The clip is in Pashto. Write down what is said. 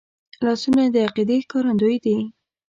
لاسونه د عقیدې ښکارندوی دي